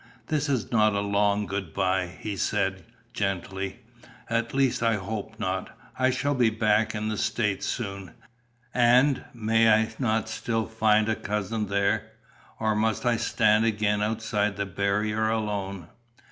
"This is not a long good bye," he said gently. "At least I hope not. I shall be back in 'the States' soon. And, may I not still find a cousin there? Or must I stand again outside the barrier alone?"